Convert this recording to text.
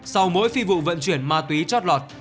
sau mỗi phi vụ vận chuyển ma túy chót lọt